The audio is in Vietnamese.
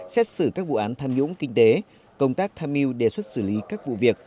xét xử các vụ án tham nhũng kinh tế công tác tham mưu đề xuất xử lý các vụ việc